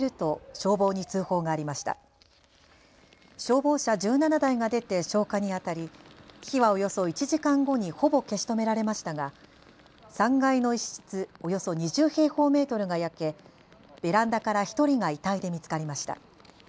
消防車１７台が出て消火にあたり火はおよそ１時間後にほぼ消し止められましたが３階の一室およそ２０平方メートルが焼けベランダから１人が遺体で見つかりました。